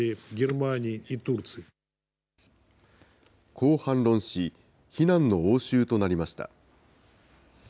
こう反論し、非難の応酬となりました。